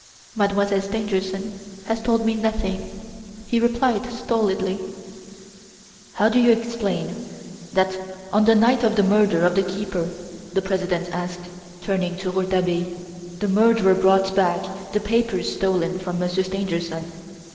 "Mademoiselle Stangerson has told me nothing," he replied stolidly. "How do you explain that, on the night of the murder of the keeper," the President asked, turning to Rouletabille, "the murderer brought back the papers stolen from Monsieur Stangerson?